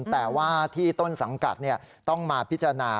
แต่ว่าที่ต้นสังกัดต้องมาพิจารณา